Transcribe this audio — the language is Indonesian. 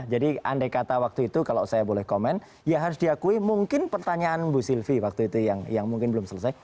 jadi andai kata waktu itu kalau saya boleh komen ya harus diakui mungkin pertanyaan bu sylvie waktu itu yang mungkin belum selesai